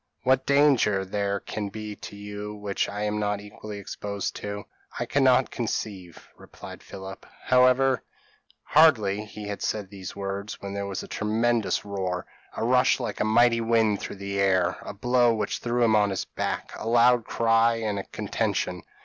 p> "What danger there can be to you, which I am not equally exposed to, I cannot conceive," replied Philip; "however " Hardly had he said these words, when there was a tremendous roar a rush like a mighty wind through the air a blow which threw him on his back a loud cry and a contention.